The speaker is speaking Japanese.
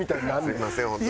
すみません本当に。